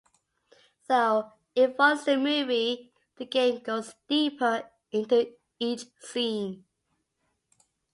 Though it follows the movie, the game goes deeper into each scene.